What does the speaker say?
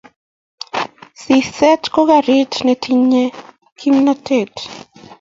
siset ko karik netinyei kimnatet